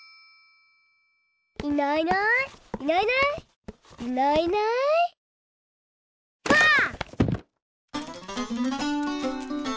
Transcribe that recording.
いないいないいないいないいないいないばあっ！